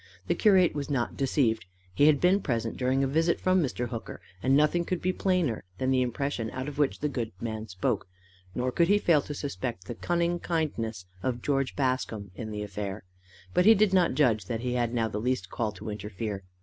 The curate was not deceived. He had been present during a visit from Mr. Hooker, and nothing could be plainer than the impression out of which the good man spoke. Nor could he fail to suspect the cunning kindness of George Bascombe in the affair. But he did not judge that he had now the least call to interfere.